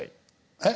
えっ？